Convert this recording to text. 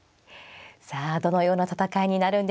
さあどのような戦いになるんでしょうか。